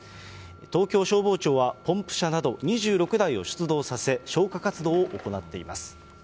東京消防庁はポンプ車など２６台を出動させ、消火活動を行っています。